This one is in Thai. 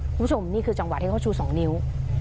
คุณผู้ชมนี่คือจังหวะที่เขาชู๒นิ้ว